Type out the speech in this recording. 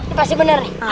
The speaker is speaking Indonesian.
ini pasti bener nih